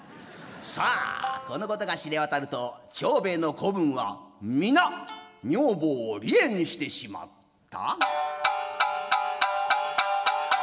さあこのことが知れ渡ると長兵衛の子分は皆女房を離縁してしまった。